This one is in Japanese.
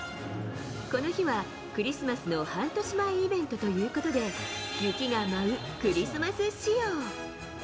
この日は、クリスマスの半年前イベントということで、雪が舞うクリスマス仕様。